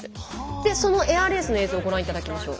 でそのエアレースの映像ご覧頂きましょう。